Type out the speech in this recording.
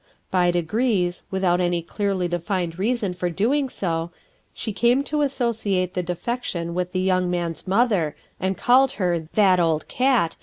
By degrees, without any clearly defined reason for doing so, she came to associate the defection with the young man's mother, and called her "that old eat!"